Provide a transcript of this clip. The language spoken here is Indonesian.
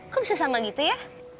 kok bisa sama gitu ya